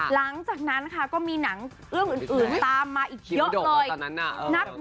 หลังจากนั้นค่ะก็มีหนังเรื่องอื่นตามมาอีกเยอะเลย